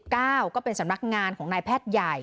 ก็เป็นสำนักงานของนายแพทย์ใหญ่